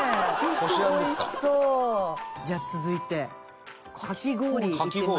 じゃあ続いてかき氷いってみますよ。